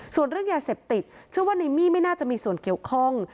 เพราะว่าในมี่ไม่น่าจะมีส่วนเกี่ยวข้อง